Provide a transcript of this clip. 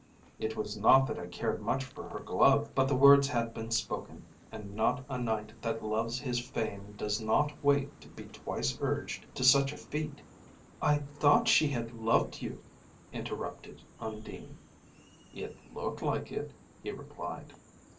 It was not that I cared much for her glove, but the words had been spoken, and a knight that loves his fame does not wait to be twice urged to such a feat." "I thought she had loved you," interrupted Undine. "It looked like it," he replied.